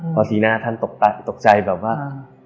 พอสีหน้าท่านตกใจแบบว่า